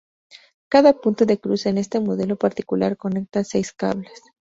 Cada punto de cruce en este modelo particular conecta seis cables.